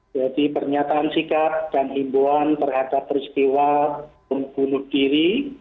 jadi pernyataan sikap dan imbuan terhadap peristiwa pembunuh diri